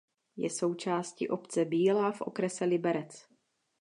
Je součástí obce Bílá v okrese Liberec.